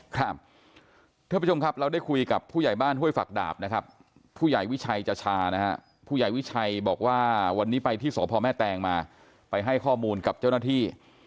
ท่านผู้ชมครับเราได้คุยกับผู้ใหญ่บ้านห้วยฝักดาบนะครับผู้ใหญ่วิชัยจชานะฮะผู้ใหญ่วิชัยบอกว่าวันนี้ไปที่สพแม่แตงมาไปให้ข้อมูลกับเจ้าหน้าที่